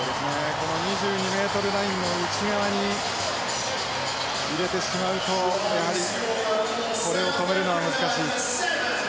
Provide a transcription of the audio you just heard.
この２２メートルラインの内側に入れてしまうとやはりこれを止めるのは難しい。